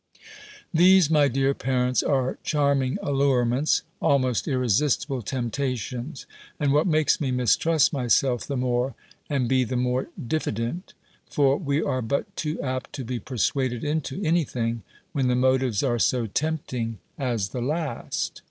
These, my dear parents, are charming allurements, almost irresistible temptations! And what makes me mistrust myself the more, and be the more diffident; for we are but too apt to be persuaded into any thing, when the motives are so tempting as the last.